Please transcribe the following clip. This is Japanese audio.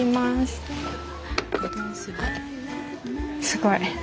すごい。